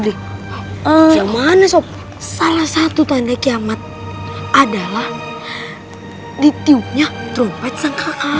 di mana sop salah satu tanda kiamat adalah di tiupnya trompet sangka kala